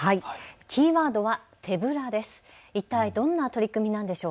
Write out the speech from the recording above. キーワードは手ぶらです。